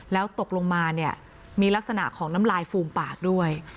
แล้วตกลงมาเนี่ยมีลักษณะของน้ำลายฟูมปากด้วย